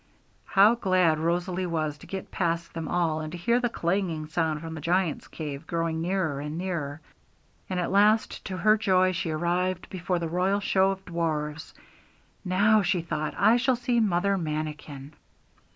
How glad Rosalie was to get past them all, and to hear the clanging sound from the Giant's Cave growing nearer and nearer. And at last, to her joy, she arrived before the 'Royal Show of Dwarfs.' 'Now,' she thought, 'I shall see Mother Manikin.'